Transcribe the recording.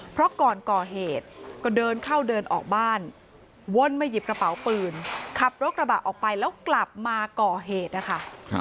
เพราะก่อนก่อเหตุก็เดินเข้าเดินออกบ้านวนมาหยิบกระเป๋าปืนขับรถกระบะออกไปแล้วกลับมาก่อเหตุนะคะ